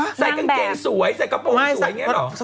เส้นเกงสวยใส่กระโปรงสวยเนี่ยแล้วหรอ